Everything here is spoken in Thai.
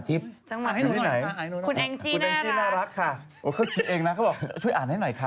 ก็บอกช่วยอนให้หน่อยค่ะ